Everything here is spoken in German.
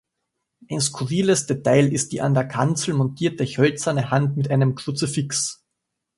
Ein skurriles Detail ist die an der Kanzel montierte hölzerne Hand mit einem Kruzifix.